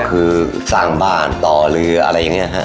ก็คือสร้างบ้านต่อรืออะไรอย่างเงี้ยครับ